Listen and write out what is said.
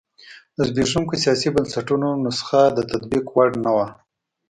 د زبېښونکو سیاسي بنسټونو نسخه د تطبیق وړ نه وه.